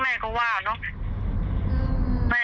แม่ก็ว่าเนอะ